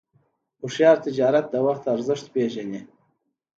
هوښیار تجارت د وخت ارزښت پېژني.